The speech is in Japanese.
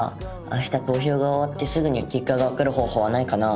明日投票が終わってすぐに結果がわかる方法はないかな？